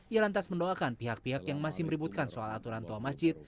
ia lantas mendoakan pihak pihak yang masih meributkan soal aturan tua masjid